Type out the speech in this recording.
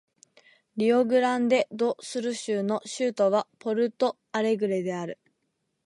リオグランデ・ド・スル州の州都はポルト・アレグレである